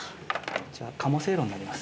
こちら鴨せいろになります。